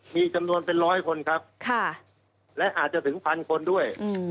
มีจำนวนเป็นร้อยคนครับและอาจจะถึงพันคนด้วย